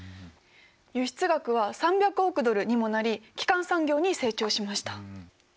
輸出額は３００億ドルにもなり基幹産業に成長しました。